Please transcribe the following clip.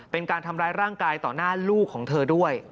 เป็นการทำร้ายร่างกายต่อหน้าลูกของเธอด้วย